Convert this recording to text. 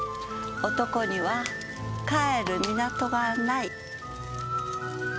「男には帰る港がない」。